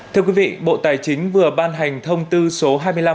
thưa quý vị bộ tài chính vừa ban hành thông tư số hai mươi năm hai nghìn hai mươi hai